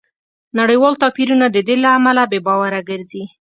نړیوال توپیرونه د دې له امله بې باوره ګرځي